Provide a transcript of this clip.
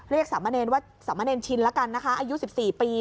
เรียกสามเมรินว่าสามเมรินชินแล้วกันนะคะอายุสิบสี่ปี